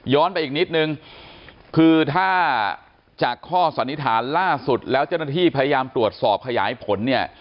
ไปอีกนิดนึงคือถ้าจากข้อสันนิษฐานล่าสุดแล้วเจ้าหน้าที่พยายามตรวจสอบขยายผลเนี่ย